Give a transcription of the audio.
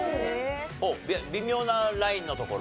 ほう微妙なラインのところ？